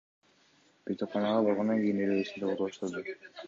Бейтапканага баргандан кийин эле эсин жогото баштады.